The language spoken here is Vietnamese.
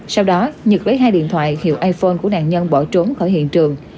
sau đó nhật lấy hai điện thoại hiệu iphone của nạn nhân bỏ trốn khỏi hiện trường